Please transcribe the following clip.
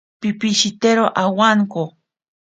Pipishitero awanko.